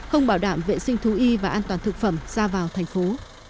không bảo đảm vệ sinh thú y và an toàn thực phẩm ra vào thành phố